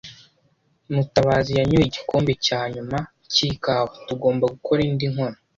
Mutabazi yanyoye igikombe cya nyuma cyikawa. Tugomba gukora indi nkono.